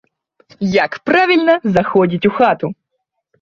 Як правільна заходзіць у хату?